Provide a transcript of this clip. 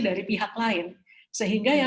dari pihak lain sehingga